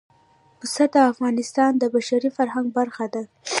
پسه د افغانستان د بشري فرهنګ برخه ده.